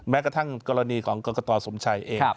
แม้กระทั่งกรณีของกรกตสมชัยเอง